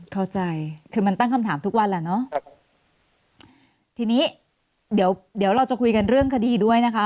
ก็คือตั้งคำถามทุกวันแล้วเนาะทีนี้เดี๋ยวเราจะคุยกันเรื่องคดีด้วยนะคะ